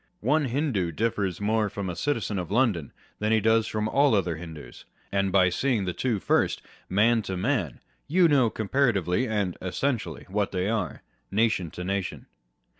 One Hindoo differs more from a citizen of London than he does from all other Hindoos ; and by seeing the two first, man to man, you know comparatively and essentially what they are, nation to nation.